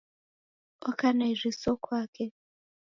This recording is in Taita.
Oka na iriso kwake.